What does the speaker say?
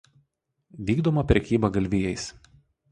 Vykdoma prekyba galvijais.